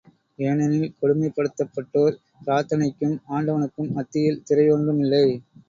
ஏனெனில் கொடுமைப் படுத்தப்பட்டோர் பிரார்த்தனைக்கும், ஆண்டவனுக்கும் மத்தியில் திரை ஒன்றும் இல்லை.